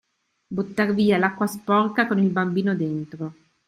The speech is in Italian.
Buttar via l'acqua sporca con il bambino dentro.